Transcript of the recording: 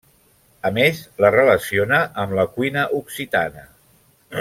A més la relaciona amb la cuina occitana.